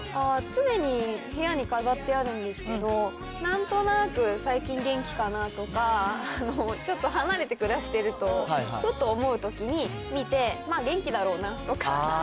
常に部屋に飾ってあるんですけど、なんとなく最近元気かなとか、ちょっと離れて暮らしてると、ふと思うときに見て、元気だろうなとか。